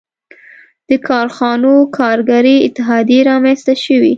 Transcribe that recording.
• د کارخانو کارګري اتحادیې رامنځته شوې.